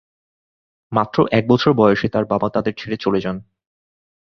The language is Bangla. মাত্র এক বছর বয়সে তাঁর বাবা তাঁদের ছেড়ে চলে যান।